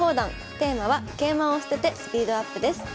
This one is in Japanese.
テーマは「桂馬を捨ててスピードアップ」です。